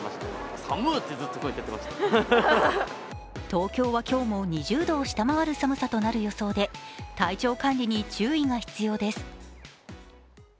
東京は今日も２０度を下回る寒さとなる予想で体調管理に注意が必要です。